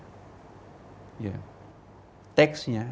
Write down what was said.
tidak boleh khutbah di masjid itu kalau tidak ada sertifikatnya